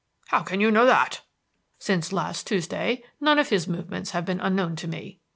"How can you know that?" "Since last Tuesday none of his movements have been unknown to me."